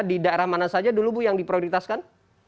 di daerah mana saja dulu bu yang diprioritaskan